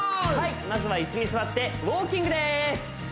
まずは椅子に座ってウォーキングです